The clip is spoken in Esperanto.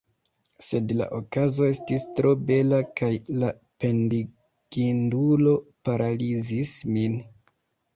Sed la okazo estis tro bela, kaj la pendigindulo paralizis min.